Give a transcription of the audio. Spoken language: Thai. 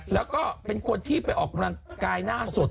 แล้วก็เป็นคนที่ไปออกกำลังกายหน้าสด